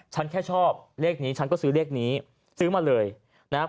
ฉันแค่ชอบเลขนี้ฉันก็ซื้อเลขนี้ซื้อมาเลยนะฮะ